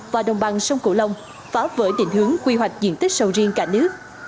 và đồng bằng sông cửu long phá vỡ định hướng quy hoạch diện tích sầu riêng cả nước